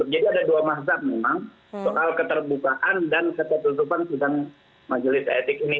jadi ada dua mazhab memang soal keterbukaan dan ketutupan sidang majelis etik ini